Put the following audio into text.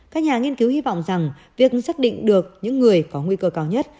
các nhà nghiên cứu hy vọng rằng việc xác định được những người có nguy cơ cao nhất